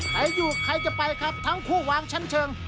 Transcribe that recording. ใครอยู่ใครจะไปครับทั้งคู่วางชั้นเชิง